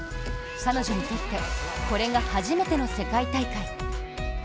彼女にとってこれが初めての世界大会。